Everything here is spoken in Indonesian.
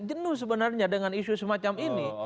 jenuh sebenarnya dengan isu semacam ini